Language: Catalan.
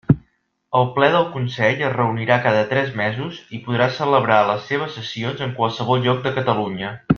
El Ple del Consell es reunirà cada tres mesos i podrà celebrar les seves sessions en qualsevol lloc de Catalunya.